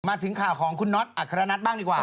มาถึงข่าวของคุณน็อตอัครนัทบ้างดีกว่า